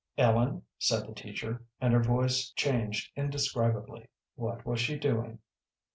"Ellen," said the teacher, and her voice changed indescribably. "What was she doing?"